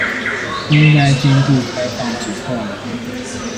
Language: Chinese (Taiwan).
應該兼顧開放及透明